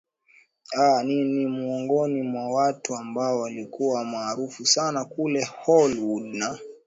aa ni ni ni miongoni mwa watu ambao walikuwa maarufu sana kule holywood na